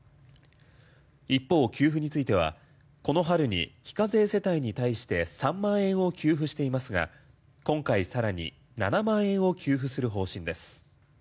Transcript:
一方、給付についてはこの春に非課税世帯に対して３万円を給付していますが今回、更に７万円を給付する方針です。